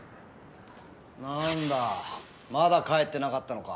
何だまだ帰ってなかったのか。